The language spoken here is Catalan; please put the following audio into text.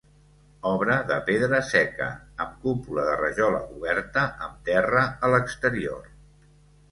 Obra de pedra seca, amb cúpula de rajola coberta amb terra a l'exterior.